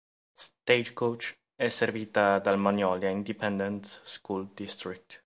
Stagecoach è servita dal Magnolia Independent School District.